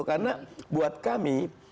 karena buat kami